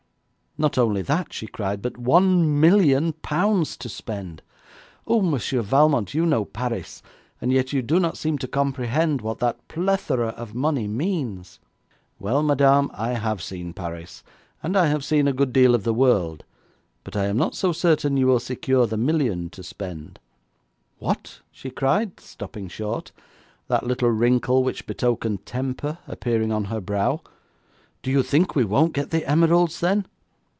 'Not only that!' she cried, 'but one million pounds to spend! Oh, Monsieur Valmont, you know Paris, and yet you do not seem to comprehend what that plethora of money means!' 'Well, madame, I have seen Paris, and I have seen a good deal of the world, but I am not so certain you will secure the million to spend.' 'What!' she cried, stopping short, that little wrinkle which betokened temper appearing on her brow. 'Do you think we won't get the emeralds then?'